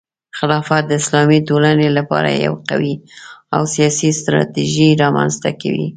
خلافت د اسلامي ټولنې لپاره یو قوي او سیاسي ستراتیژي رامنځته کوي.